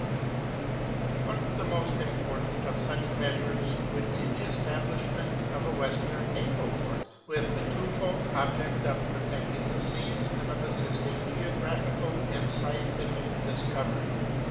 [Occidental navy] One of the most important of such measures would be the establishment of a Western naval force, with the twofold object of protecting the seas, and of assisting geographical and scientific discovery.